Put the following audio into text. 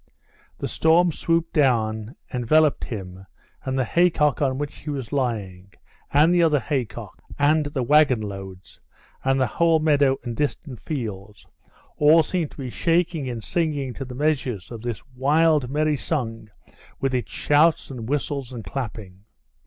The storm swooped down, enveloped him and the haycock on which he was lying, and the other haycocks, and the wagon loads, and the whole meadow and distant fields all seemed to be shaking and singing to the measures of this wild merry song with its shouts and whistles and clapping.